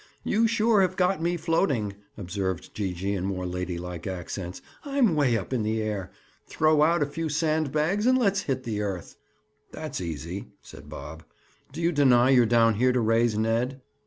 "You sure have got me floating," observed Gee gee in more lady like accents. "I'm way up in the air. Throw out a few sand bags and let's hit the earth." "That's easy," said Bob. "Do you deny you're down here to raise Ned?"